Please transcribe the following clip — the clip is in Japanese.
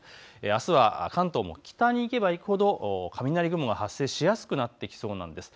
あすは関東も北に行けば行くほど雷雲が発生しやすくなってきそうなんです。